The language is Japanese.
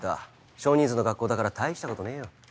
少人数の学校だから大したことねえよ。